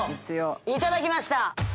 いただきました！